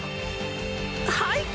はい！